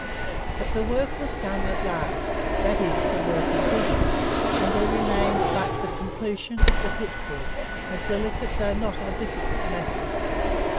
But the work was done at last, that is, the work of digging, and there remained but the completion of the pitfall, a delicate though not a difficult matter.